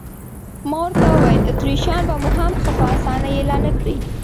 ما ورته وویل: اتریشیان به مو هم ښه په اسانۍ اېله نه کړي.